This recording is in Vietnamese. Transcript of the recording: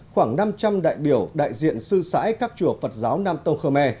khoảng năm trăm linh đại biểu đại diện sư sãi các chùa phật giáo nam tông khơ me